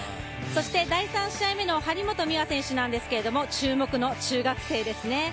第３試合目の張本美和選手なんですけれども注目の中学生ですね。